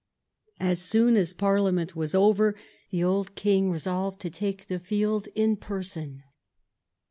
As soon as parliament was over, the old king resolved to take the field in person.